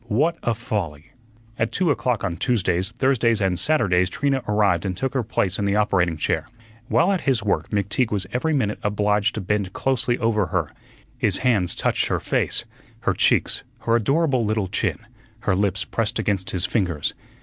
What a folly! At two o'clock on Tuesdays, Thursdays, and Saturdays Trina arrived and took her place in the operating chair. While at his work McTeague was every minute obliged to bend closely over her; his hands touched her face, her cheeks, her adorable little chin; her lips pressed against his fingers.